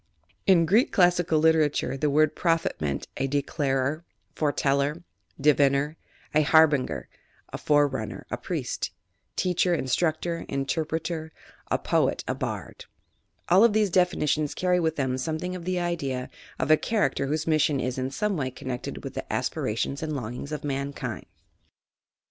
— In Greek classical literature, the word prophet meant, a declarer, foreteller, diviner, a harbinger, a forerunner, a priest, teacher, instructor, interpreter; a poet, a bard. All of these definitions carry with them something of the idea of a character whose mission is in some way connected with the aspirations and longings of mankind.